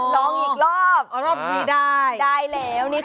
ลองอีกรอบหรอรอบงี่ได้ดูดี